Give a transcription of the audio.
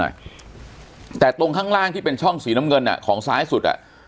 หน่อยแต่ตรงข้างล่างที่เป็นช่องฝีน้ำเงินของซ้ายสุด